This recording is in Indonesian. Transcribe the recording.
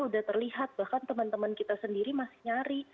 sudah terlihat bahkan teman teman kita sendiri masih nyari